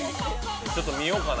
ちょっと見ようかな。